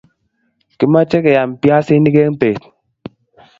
Kimache keyam biasiniki en bet